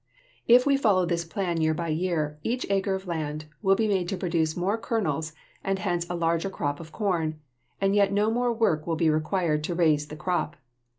If we follow this plan year by year, each acre of land will be made to produce more kernels and hence a larger crop of corn, and yet no more work will be required to raise the crop.